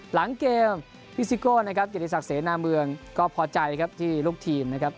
หลังเกมพี่ซิโก้นะครับเกียรติศักดิเสนาเมืองก็พอใจครับที่ลูกทีมนะครับ